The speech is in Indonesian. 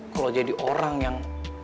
kalau jadi orang yang